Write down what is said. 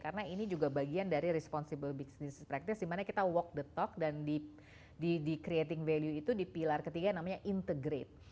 karena ini juga bagian dari responsible business practice dimana kita walk the talk dan di creating value itu di pilar ketiga yang namanya integrate